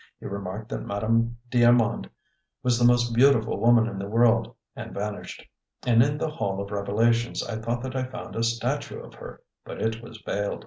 He remarked that Madame d'Armand was the most beautiful woman in the world, and vanished. And in the hall of revelations I thought that I found a statue of her but it was veiled.